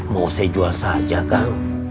mau saya jual saja kang